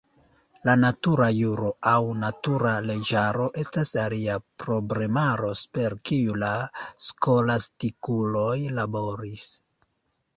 La natura juro aŭ natura leĝaro estas alia problemaro super kiu la skolastikuloj laboris.